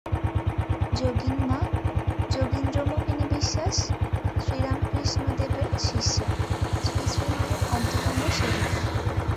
যোগীন-মা যোগীন্দ্রমোহিনী বিশ্বাস, শ্রীরামকৃষ্ণদেবের শিষ্যা, শ্রীশ্রীমায়ের অন্তরঙ্গ সেবিকা।